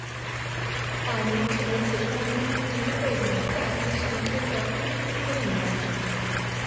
马宁成为解放军第一位能驾机上天的空军司令员。